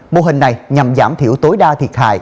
mô hình này nhằm giảm thiểu tối đa thiệt hại